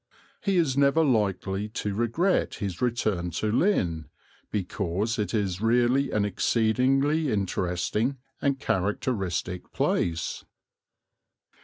He is never likely to regret his return to Lynn, because it is really an exceedingly interesting and characteristic place.